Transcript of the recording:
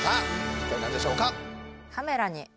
一体何でしょうか？